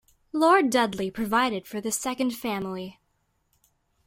Lord Dudley provided for this second family.